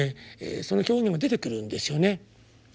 その表現が出てくるんですよね。